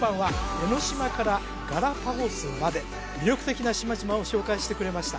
江の島からガラパゴスまで魅力的な島々を紹介してくれました